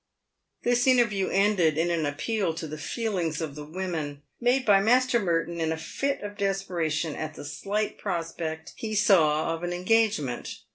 This interview ended in an appeal to the feelings of the women, made by Master Merton in a fit of desperation at the slight prospect he saw of an engagement.